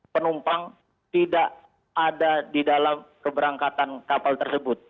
penumpang tidak ada di dalam keberangkatan kapal tersebut